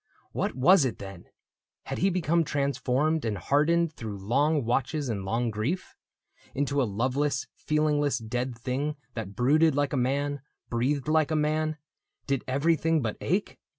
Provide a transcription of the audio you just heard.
What was it, then ? Had he become transformed And hardened through long watches and long grief THE BOOK OF ANNANDALE 133 Into a loveless, feelingless dead thing That brooded like a man, breathed like a man, — Did everything but ache